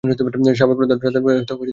সাবেক প্রধানমন্ত্রী এতে জড়িত ছিলো।